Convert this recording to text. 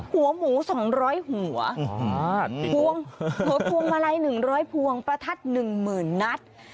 หัวหมูสองร้อยหัวหัวพวงมาลัยหนึ่งร้อยพวงประทัดหนึ่งหมื่นนัด